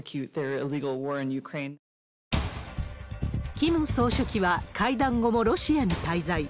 キム総書記は会談後もロシアに滞在。